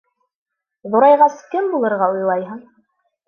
— Ҙурайғас кем булырға уйлайһың?